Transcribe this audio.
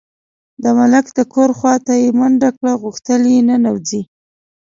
د ملک د کور خواته یې منډه کړه، غوښتل یې ننوځي.